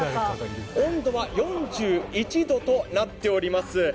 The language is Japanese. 温度は４１度となっております。